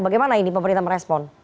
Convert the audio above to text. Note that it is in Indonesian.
bagaimana ini pemerintah merespon